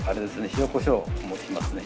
塩こしょうもしますね。